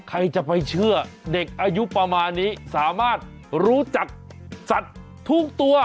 ใครจะไปเชื่อเด็กอายุประมาณนี้สามารถรู้จักสัตว์ทุกตัว